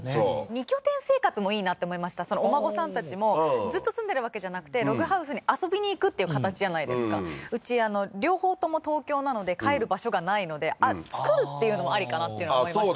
２拠点生活もいいなって思いましたお孫さんたちもずっと住んでるわけじゃなくてログハウスに遊びに行くっていう形じゃないですかうち両方とも東京なので帰る場所がないのであっ作るっていうのもありかなっていうの思いました